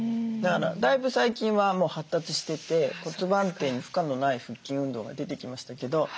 だからだいぶ最近はもう発達してて骨盤底に負荷のない腹筋運動が出てきましたけど。